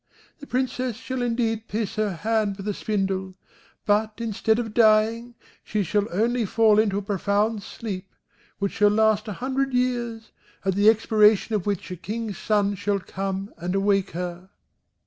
The Princess shall indeed pierce her hand with a spindle; but instead of dying, she shall only fall into a profound sleep, which shall last a hundred years; at the expiration of which a king's son shall come and awake her."